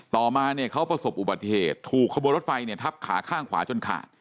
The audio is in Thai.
ต่อมาเนี่ยเขาประสบอุบัติเหตุถูกขบวนรถไฟเนี่ยทับขาข้างขวาจนขาด